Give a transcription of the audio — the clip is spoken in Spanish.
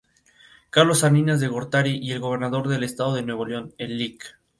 Carlos Salinas de Gortari y el Gobernador del estado de Nuevo León, el Lic.